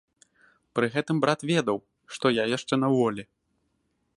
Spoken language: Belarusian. Пры гэтым брат ведаў, што я яшчэ на волі.